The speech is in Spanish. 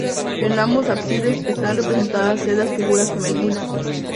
En ambos ábsides están representadas sendas figuras femeninas.